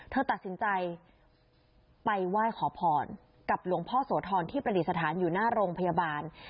เธอตัดสินใจไปไหว้ขอพรกับหลวงพ่อโสธรที่ประดิษฐานอยู่หน้าโรงพยาบาล